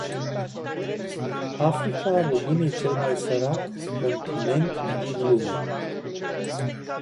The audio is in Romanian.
Africa rămâne cel mai sărac continent din lume.